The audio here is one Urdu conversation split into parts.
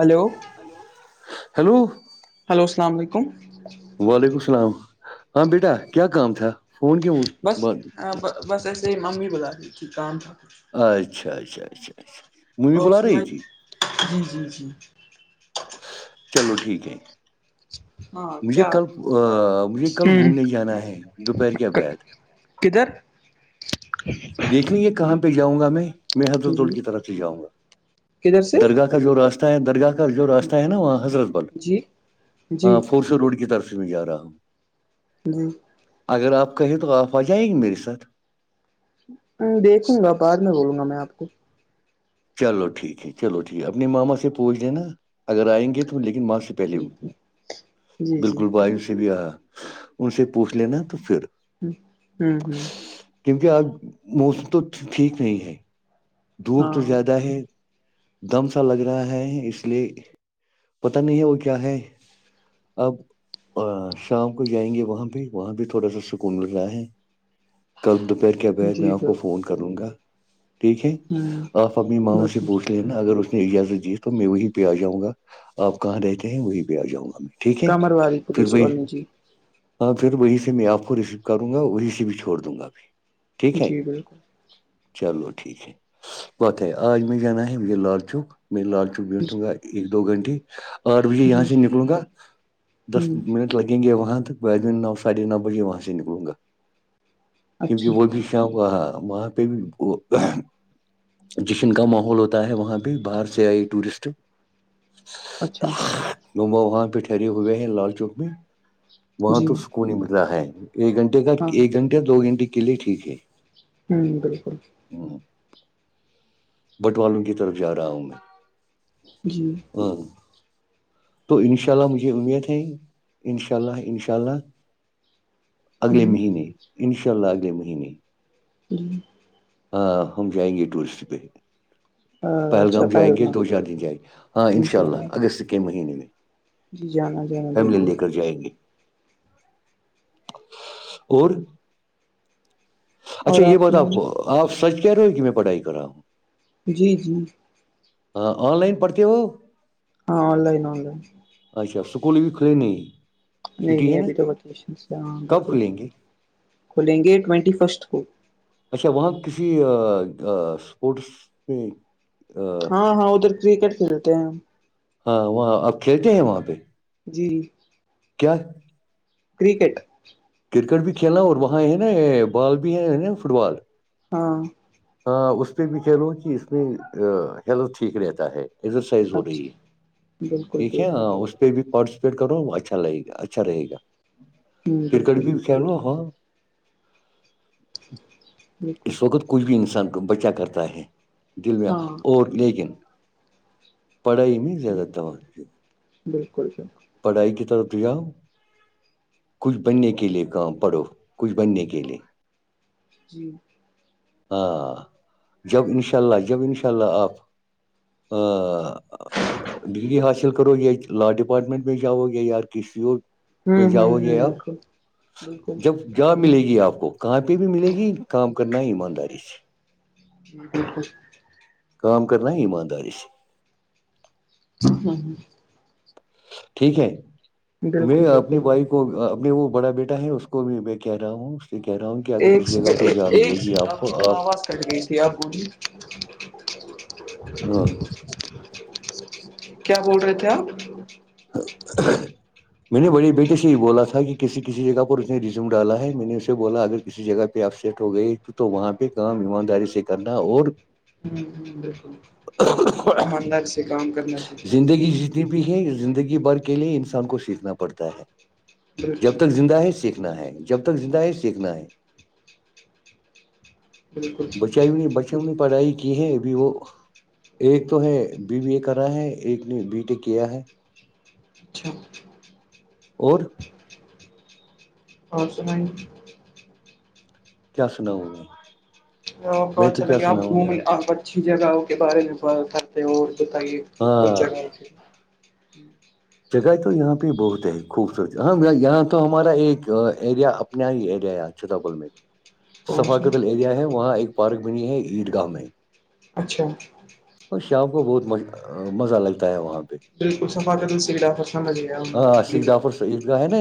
ہلو ہیلو ہلو السلام علیکم وعلیکم السلام ہاں بیٹا کیا کام تھا فون کی بس بس ایسے ہی ممی بلا دی کہ کام تھا اچھا اچھا اچھا اچھا اور اس میں جی جی جی چلو ٹھیک ہے جی ہاں مجھے کیا کل مجھے کل گھومنے ہ جانا ہے دوپہر کے بید کدھر دیکنی یہ کہاں پہ جؤں گا میں میں جی حضرڑ کی طرف سے جاؤں گا کدھر سے درگاہ کا جو راستہ ہے درگاہ کا جو راستہ ہے نا وہاں حضرت بل جی جی ہاں فورسو روڈ کی طرف سے بھی جا رہا ہوں جی اگر آپ کہیں تو آپ آ جائیں گی میرے ساتھ دیکھوں گا بعد میں بولوں گا میں آپ کو چلو ٹھیک ہے چلو ٹھیک ہے اپنے ماما سے پوچ دینا اگر آئیں گے تو لیکن ماں سے پہلے جی جی بالکل بائیو سے بھی آیا ان سے پوچھ لینا تو پھر ہ ہوں ہوں کیونکہ اب موسم تو ٹھیک نہیں ہے دھوپ تو ہاں زیادہ ہے دم سا لگ رہا ہے اس لیے پتا نہیں ہے وہ کیا ہے اب اور شام کو جائیں گے وہاں بھی وہاں بھی تھوڑا سا سکون مل رہا ہے کل دوپہر کے بیر میں جی آپ کو بالکل فون کر لوں گا ٹھیک ہے ہ آپ اپنی ماوں سے بالکل پوچھتے اگر اس نے اجازت دیے تو میں وہیں پہ آ جاؤں گا آپ کہاں رہتے ہیں وہیں پہ آ جاؤں گا میں ٹھیک ہے کامرواری پھر پولیس وہائی کالونی جی ہاں پھر وہی سے میں آپ کو ریسیو کروں گا وہ سے بھی چھوڑ دوں گا اھر ٹھیک ہے جی بالکل چلو ٹھیک ہے بات ہے آج میں جانا ہے مجھے لال چوک میں لال چوک بیٹھوں گا ایک دو گھنٹے آٹھ بجے یہاں جی سے نکلوں گا دس ہ منٹ لگیں گے وہاں تک بد نو ساڑھے نو بجے وہاں سے نکلوں گا کیونکہ اچھا وہ بھی شاک وہاں پہ بھی وہ جشن کا ماحول ہوتا ہے وہاں پہ باہر سے آئی ٹورسٹ اچھا ما وہاں پہ ٹھہرے ہوئے ہیں لال چوک میں وہاں تو جی سکون ہی مل رہا ہے ایک گھنٹے کا ہاں ایک گھنٹے دو گھنٹے کے لیے ٹھیک ہے ہوں بالکل ہ بٹوالوں کی طرف جا رہا ہوں میں جی او تو ان شاء اللہ مجھے امید ہے ان شاء اللہ انشاء اللہ اگلے ہوں مہینے انشاء اللہ اگلے مہینے جی ہاں ہم جائیں گے ٹورسٹ پہ پہلگام جائےیں گے دو چار دن جائے گے ہاں ان شاء اللہ اگست کے مہینے میں جی جانا جانا فیملن بالکل لے کر جائیں گے اور اچھا اور یہ بات آپ سنائیے آپ سچ کہہ رہے ہو کہ میں پڑھائی کر رہا ہوں جی جی ہاں آن لائن پڑتی وہ ہاں آن لائن آن لائن اچھا سکول بھی کھلے نہیں نہیں چھٹی نہیں ہے نا ابھی تو ویکیشن سے ہاں کب بالکل کھلیں گے کھلیں گے ٹوینٹی فسٹ کو اچھا وہاں کسی اسپورٹس پ ہاں ہاں ادھر کرکٹ کھیلتے ہیں ہم ہاں وہاں اپ کھیلتے ہیں وہاں پہ جی کیا کرکٹ کرکٹ بھی کھیلنا اور وہاں ہے نا بال بھی ہے نا فٹ بال ہاں ہاں اس پہ بھی کہہ لو کہ اس میں ہیلتھ ٹھیک رہتا ہے ایکسرسائز ہو رہی اچھا ہے بالکل ٹھیک ہے بالکل اس پہ بھی پارٹیسپیٹ کرو اچھا لگے گا اچھا رہے گا ہوں کرکٹ بالکل بھی کہ لا بالکل اس وقت کچھ بھی انسان کو بچا کرتا ہے دل میں ہاں اور لیکن پڑھائی میں زیادہ دوا بالکل بالکل پڑھائی کی طرف بھییاؤ کچھ بننے کے لئے کام پڑھو کچھ بننے کے لئے جی ہاں جب انشاء اللہ جب ان شاء اللہ آپ ہ ڈگری حاصل کرو یہیت لاٹ اپارٹمنٹ میں جاؤ گے یار کسی اور ہوں میں ہ جاؤ ہ بالکل بالکل جاب ملے گی آپ کو کہاں پہ بھی ملے گی کام کرنا ہے ایمانداری سے ج بالکل کا کرنا ایماندارش ہاں ہ ٹھیک ہے میں بالکل بالکل اپنی بائک کو اپنے وہ بڑا بیٹا ہے اس کو بھی میں کہہ رہا ہوں کہہ رہا ہوں کہ اگر ایک کسی جگہ پہ جا ملے گی آپ کو آپ سٹ گ تھے آپو بھی ہاں کیا بول رہے تھے آپ [unintelligible] میں نے بڑے بیٹے سے یہ بولا تھا کہ کسی کسی جگہ پر اس نے ریزوم ڈالا ہے میں نے اسے بولا اگر کسی جگہ پہ اپسٹ ہو گئی تو وہاں پہ کام ایمانداری سے کرنا اور ہ ہ بالکل ایماندار سے کام کرنا چاہیے زندگی جتنی بھی ہے زندگی بھر کے لیے انسان کو سیکھنا پڑتا ہے جب بالکل تک زندہ ہے سیکھ سیکنا ہے جب تک زندہ ہے سیکھنا ہے بالکل بچائینی بچنی پڑھائی کی ہے ابھی وہ ایک تو ہے بی بی ا کرا ہے ایک نے بی ٹے کیا ہے اچھا اور اور سمن کیا سناؤ گا بہت اچھا لگے آپ گھوم یار آپ اچھی جگہوں کے بارے میں ب کرتے ہیں اور بتائیے اچ ہاں جگہ جگہ تو یہاں پہ بہت ہے خوبصورت یہاں تو ہمارا ایک ایریا ہییریا چھتا ہاں ثفاقتل ایریا ہے وہاں ایک پارک بنی ہے عید گاہ میں اچھا اور شام کو بہت مزہ لگتا ہے وہاں پہ بالکل سفاقت سےی ڈاکٹر سان جی ہاں سید دافر س عید گاہ ہے نا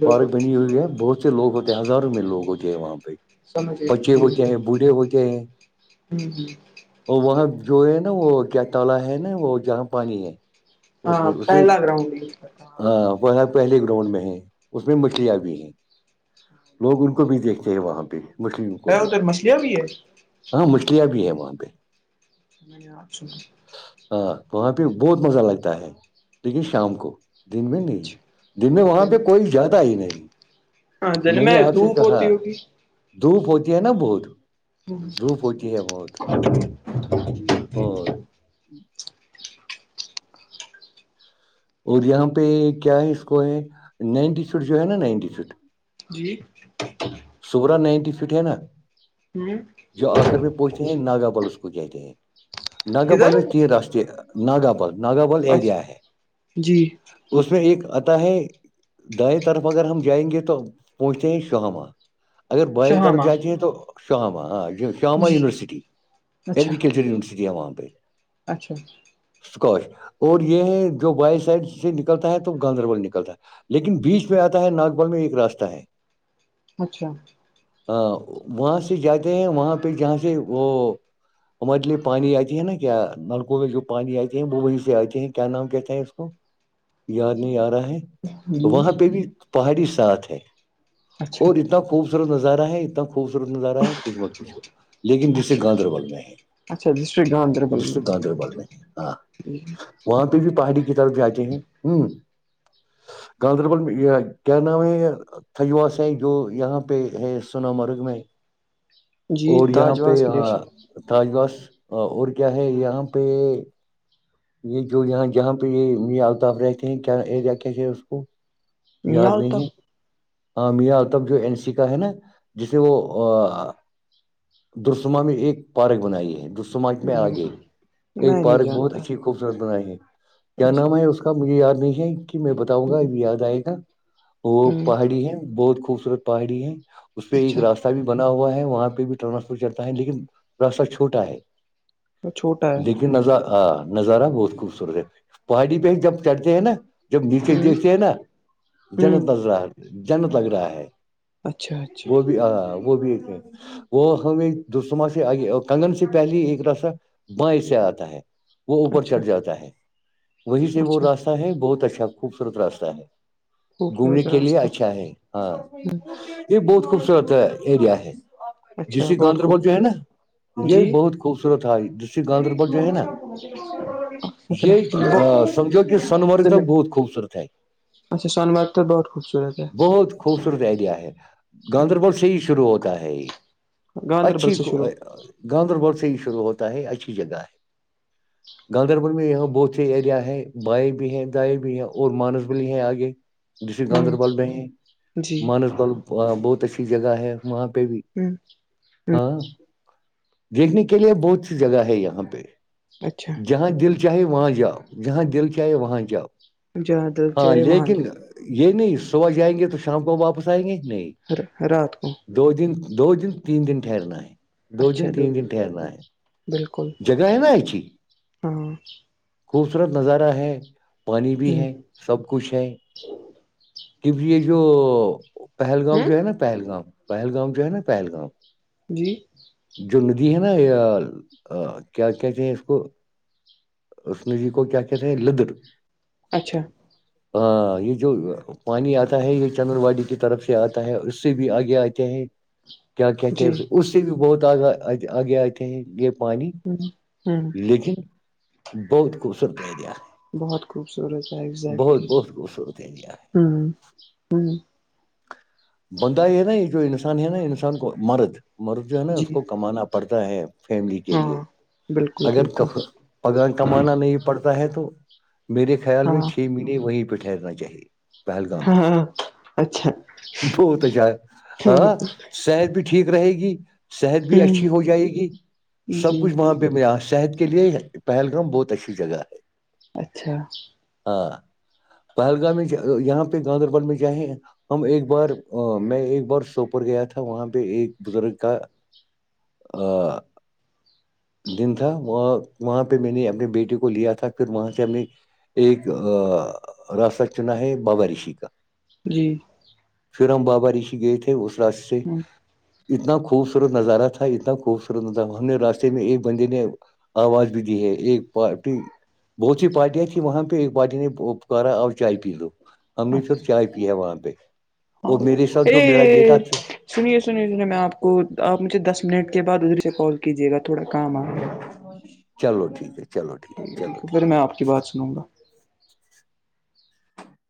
بالکل پارک بنی ہوئی ہے بہت لوگ ہوتےے ہزاروں میں لوگ ہوتےے وہاں پ سمجھ بچے گیا ہوتے ہیں بوڑھے ہوتے ہیں اور وہاں جو ہے نا وہ کیا تالا ہے نا وہ جہاں پانی ہے اس ہاں میں اس میں پہلا گراؤنڈ ہ وہ پہلے گراؤنڈ میں ہے اس میں مچھلیاں بھی ہیں لوگ ان کو بھی دیکھتے ہیں وہاں پہ مسلم کو ہے بھی ادھر مچھلیاں بھی ہے ہاں مچھلیاں بھی ہیں وہاں پہ [unintelligible] ہاں وہاں پہ بہت مزہ لگتا ہے لیکن شام کو دن میں نہیں ہاں دن میں وہاں پہ کوئی زیادہ ہی نہیں دن میں نے آپ سے دھوپ کہا ہوتی ہوگی دھوپ ہوتی ہے نا بہت دھوپ ہوتی ہے بہت [unintelligible] اور اور یہاں پہ کیا ہے اس کو ہے نائنٹی سٹ جو ہے نا نائنٹی سٹ جی سورا نائنٹی فٹ ہے نا ہ جو آخر میں پہنچتے ہیں ناگا بل اس کو جاتتے ہیں ناگا بل کدھر میں تین راستے ناگا بل نگربل اچھا ایریا ہے جی اس میں ایک آتا ہے دائیں طرف اگر ہم جائیں گے تو پہنچتے ہیں شہماں اگر بائی طرف شہامہ جاتی ہے تو شاماں ہاں ج شامہ جی یونیورسٹی اچھا اگگریکلچر یونیورسٹی ہماں اچھا اسکوش اور یہ ہے جو بائی سائڈ سے نکلتا ہے تو گاندربل نکلتا ہے لیکن بیچ میں آتا ہے ناگبل میں ایک راستہ ہے اچھا ہ وہاں سے جاتے ہیں وہاں پہ جہاں سے وہ ہمارے لیے پانی آتی ہے نا کیا نلکوں میں جو پانی آتی ہے وہ وہی سے آتے ہیں کیا نام کہتے ہے اس کو یاد نہیں آ رہا ہے جی وہاں پہ بھی پہاڑی ساتھ ہے اچھا اور اتنا خوبصورت نظارہ ہے اتنا خوبصورت نظارہ ہے کچھ مت کچھ لیکن جسے اچھا گاندربل میں ہے اچھا ڈسٹرکٹ گاندربل میں ڈسٹرک گاندربل میں ہاں وہاں پہ بھی پہاڑی کی طرف جاتے ہیں ہوں گاندربل میں کیا نام تھ آ س جو یہاں پہ ہے سنا مرگ میں جی اور یہاں پہ داجواس گلیشر تاجبس اور کیا ہے یہاں پہ یہ جو یہاں جہاں پہ یہ م آتاف رہتے ہیں کیا ایریا کیسے ہے اس کو یاد میال نہیں تک ہے ہ میاں الطب جو این سی کا ہے نا جسے وہ درسما میں ایک پارک بنائی ہے دسما میں آ نہیں گئی میں ایک نہیں پارک بہت جانتا اچھی خوبصورت بنائے ہے کیا اچھا نام ہے اس کا مجھے یاد نہیں ہے کہ میں ب ہوگا اب یاد آئے گا ہ وہ پہاڑی ہے بہت خوبصورت پہاڑی ہے اس پہ ایک اچھا راستہ بھی بنا ہوا ہے وہاں پہ بھی ٹرانسپورٹ چلتا ہے لیکن راستہ چھوٹا ہے وہ چھوٹا ہے لیکن نظار ہاں نظارہ بہت خوبصورت ہے پہاڑی پہ جب چڑھتے ہیں نا جب ہ نیچے دیکھتے ہیں نا ہ جنت لگ رہا جنت لگ رہا ہے اچھا اچھا وہ بھی ہ وہ بھی ایک ہے وہ ہمیں دسماں سے آگے کنگن سے پہلے ایک رسا بیں سے آتا ہے وہ اوپر اچھا چڑھ جاتا ہے وہی سے وہ اچھا راستہ ہے بہت اچھا خوبصورت راستہ ہے خوب گھومنے کے لیے ویزاراتا اچھا ہے ہاں یہ بہت خوبصورت ایریا ہے اچھا ڈسٹرک بہت گاندربل خوبصورت جو ہے نا یہ جی بہت خوبصورت ہے ڈسٹرک گاندربل جو ہے نا یہ سمجھو کہ سن مر تک بہت خوبصورت ہے اچھا سنباد تو بہت خوبصورت ہے بہت خوبصورت ایریا ہے گاندربل سے ہی شروع ہوتا ہے یہ گاندربل اچھی سے شروع گاندربل سے ہی شروع ہوتا ہے اچھی جگہ ہے ج گاندربل میں یہاں بہت سے ایریا ہیں بائیں بھی ہیں دائیں بھی ہیں اور مانس بلی ہیں آگے ڈسٹرک ہوں گاندربل میں ہے جی مانس بل بہت اچھی جگہ ہے وہاں پہ بھی ہوں ہاں دیکھنے کے لیے بہت سی جگہ ہے یہاں پہ اچھا جہاں دل چاہے وہاں جاؤ جہاں دل چاہے وہاں جاؤ جہاں دل ہاں جائے وہاں لیکن جاؤ یہ نہیں صبح جائیں گے تو شام کو واپس آئیں گے نہیں رات کو دو دن دو دن تین دن ٹہرنا ہے دو دن اچھا تین دودھ دن ٹھرنا ہے بالکل جگہ ہے نا ایچ ہاں خوبصورت نظارہ ہے پانی بھی ہے سب کچھ ہے پ یہ جو پہلگام ہ جو ہے نا پہلگام پہلگام جو ہے نا پہلگام جی جو ندھی ہے نا یہ کیا کہتے ہیں اس کو اسن جی کو کیا کہتے ہیں لدر اچھا ہ یہ جو پانی آتا ہے یہ چندر واڑی کی طرف سے آتا ہے اس سے بھی آگے آتے ہیں کیا کہتے جی اس سے بھی بہت آگ آگے آئےتے ہیں یہ پانی ہ لیکن بہت خوبصورت ایریا ہے بہت خوبصورت ہے اگزیکٹلی خوبصورت ایریا ہ ہ بندہ یہ ہے نا یہ جو انسان ہے نا انسان کو مرد مرد جو ہے نا جی اس کو کمانا پڑتا ہے فیملی کے لیے ہاں بالکل اگر بالکل پگان کمانا نہیں پڑتا ہے تو میرے خیال ہاں میں چھ مہینے وہیں پہ ٹھہرنا چاہیے ہاں اچھا وہ تو جا ہے ہاں صحت بھی ٹھیک رہے گی صحت بھی ہ اچھی ہو جائے گی جی سب کچھ وہاں پہ میں صحت کے لیے پہلگام بہت اچھی جگہ ہے اچھا ہاں پہلگام میں یہاں پہ گاندربل میں چاہیں ہم ایک بار میں ایک بار سوپور گیا تھا وہاں پہ ایک بزرگ کا اور دن تھا وہ وہاں پہ میں نے اپنے بیٹے کو لیا تھا پھر وہاں سے ہم نے ایک راست چنا ہے بابا رشی کا جی پھر ہم بابا رشی گئے تھے اس راستے سے ہ اتنا خوبصورت نظارہ تھا اتنا خوبصورت نظہ ہم نے راستے میں ایک بندے نے آواز بھی دی ہے ایک پارٹی بہت سی پارٹیاں تیں وہاں پہ ایک پارٹی نے پکارا اور چائے پی لو ہم نے اچھا ش چائے پی ہے وہاں پہ ہاں اور میرے ساتھ جو میرا بیٹا ارے تھاے سنیے سنیے سنیے میں آپ کو آپ مجھے دس منٹ کے بعد ادھر سے کال کیجیے گا تھوڑا کام آ گ ہے چلو ٹھیک ہے چلو ٹھیک چلو ہے پھر میں آپ کی بات سنوں گا